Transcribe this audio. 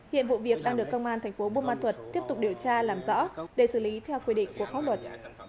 hiện vụ việc đang được công an tp hcm tiếp tục điều tra làm rõ để xử lý theo quy định của khó luật